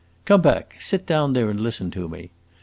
"Come back; sit down there and listen to me.